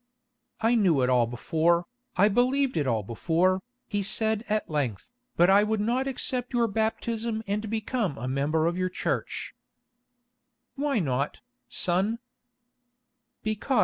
"I knew it all before, I believed it all before," he said at length, "but I would not accept your baptism and become a member of your Church." "Why not, son?"